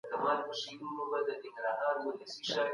حق پالونکي تل په نېکۍ يادېږي.